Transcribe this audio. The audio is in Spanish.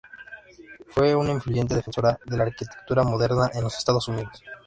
Fue una influyente defensora de la arquitectura moderna en los Estados Unidos.